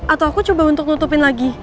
atau aku coba untuk nutupin lagi